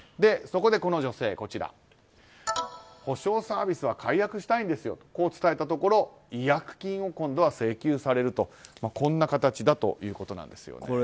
そこでこの女性、補償サービスは解約したいんですよとこう伝えたいところ違約金を今度は請求されるとこんな形だということなんです。